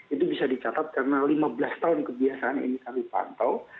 itu bisa dicatat karena lima belas tahun kebiasaan ini kami pantau